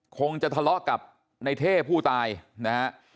คงจะทะเลาะกับในเท่ผู้ตายนะฮะ